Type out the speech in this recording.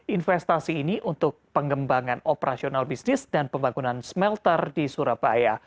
investasi ini untuk pengembangan operasional bisnis dan pembangunan smelter di surabaya